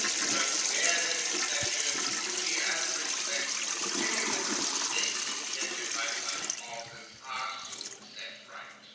"But where there is affection, duty, and respect, any little mistakes engendered by such causes are soon set right."